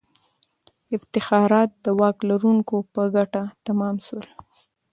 افتخارات د واک لرونکو په ګټه تمام سول.